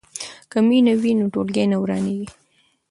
که مینه وي نو ټولګی نه ورانیږي.